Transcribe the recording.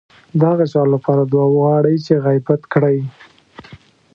د هغه چا لپاره دعا وغواړئ چې غيبت کړی.